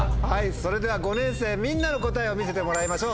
それでは５年生みんなの答えを見せてもらいましょう。